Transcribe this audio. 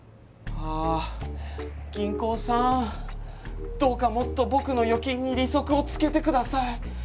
はあ銀行さんどうかもっと僕の預金に利息を付けてください。